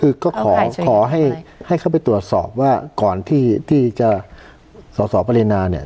คือก็ขอให้เขาไปตรวจสอบว่าก่อนที่จะสอสอปรินาเนี่ย